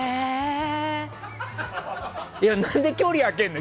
何で距離開けるの？